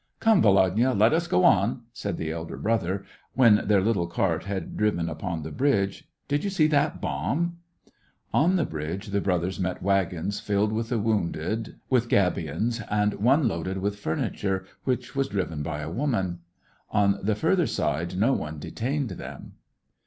" Come, Volodya, let us go on !" said the elder brother, when their litile c^rt had driven upon the bridge. " Did you see that bomb ?" On the bridge, the brothers met wagons filled with the wounded, with gabions, and one loaded with furniture, which was driven by a woman. On the further side no one detained them.